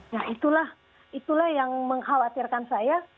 nah itulah itulah yang mengkhawatirkan saya